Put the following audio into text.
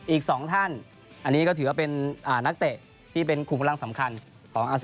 อีก๒ท่านอันนี้ก็ถือว่าเป็นนักเตะที่เป็นคุณกำลังสำคัญต่ออสผรรมเหมือนกันนะครับ